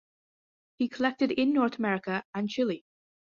He collected in North America and Chile.